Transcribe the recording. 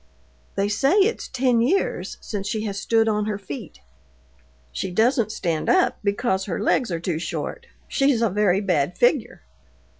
"They say it's ten years since she has stood on her feet." "She doesn't stand up because her legs are too short. She's a very bad figure."